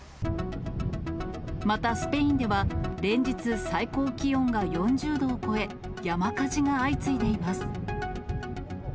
また、スペインでは、連日、最高気温が４０度を超え、山火事が相次いでいます。